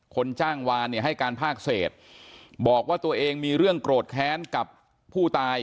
คนจ้างวานเนี่ยให้การภาคเศษบอกว่าตัวเองมีเรื่องโกรธแค้นกับผู้ตาย